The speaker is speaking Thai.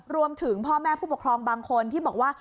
รวมถึงพ่อแม่ผู้ปกครองบางคนที่บอกว่า